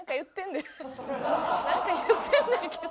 なんか言ってんねんけど。